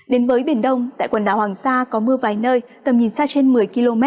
đến với biển đông tại quần đảo hoàng sa có mưa vài nơi tầm nhìn xa trên một mươi km